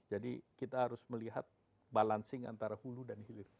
kita harus melihat balancing antara hulu dan hilir